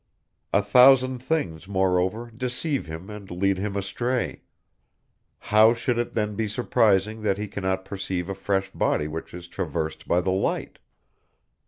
A thousand things, moreover, deceive him and lead him astray. How should it then be surprising that he cannot perceive a fresh body which is traversed by the light?